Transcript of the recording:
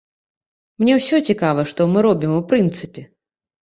Мне ўсё цікава, што мы робім, у прынцыпе.